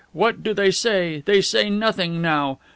What do they say? They say nothing, now.